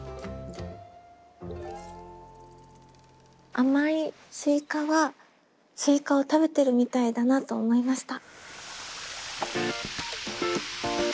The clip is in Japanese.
「甘いスイカ」はスイカを食べてるみたいだなと思いました。